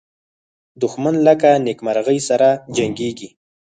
دښمن له نېکمرغۍ سره جنګیږي